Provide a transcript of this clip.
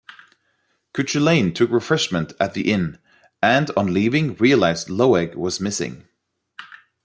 Cuchulainn took refreshment at the inn and on leaving realised Loeg was missing.